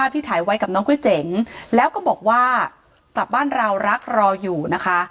ที่ถ่ายไว้กับน้องก๋วยเจ๋งแล้วก็บอกว่ากลับบ้านเรารักรออยู่นะคะ